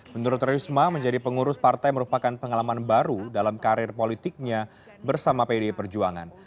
menurut risma menjadi pengurus partai merupakan pengalaman baru dalam karir politiknya bersama pdi perjuangan